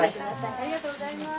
ありがとうございます。